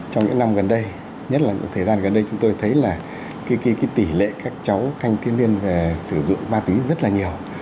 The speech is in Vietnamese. trong những năm gần đây nhất là những thời gian gần đây chúng tôi thấy là tỷ lệ các cháu thanh thiếu niên về sử dụng ma túy rất là nhiều